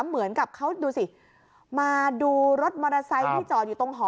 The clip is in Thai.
เหมือนกับเขาดูสิมาดูรถมอเตอร์ไซค์ที่จอดอยู่ตรงหอ